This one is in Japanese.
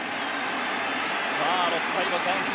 さあ６回のチャンス。